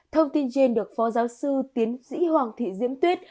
thông tin trên được phó giáo sư tiến sĩ hoàng thị diễm tuyết